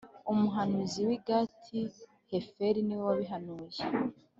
Umuhanuzi w i Gati Heferi niwe wabihanuye